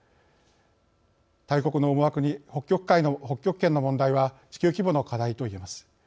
大国の思惑に北極圏の問題は地球規模の課題と言えます。